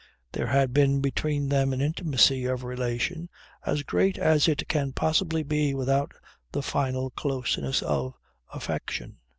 There had been between them an intimacy of relation as great as it can possibly be without the final closeness of affection.